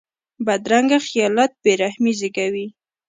بدرنګه خیالات بې رحمي زېږوي